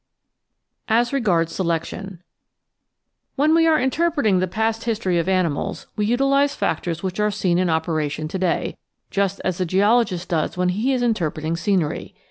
S» As regards Selection When we are interpreting the past history of animals, we utilise factors which are seen in operation to day, just as the geologist does when he is interpreting scenery.